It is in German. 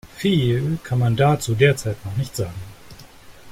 Viel kann man dazu derzeit noch nicht sagen.